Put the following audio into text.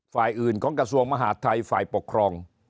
ฝ่ายอื่นของกระทรวงมหาดไทยฝ่ายปกครอง